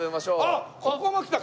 あっここも来た！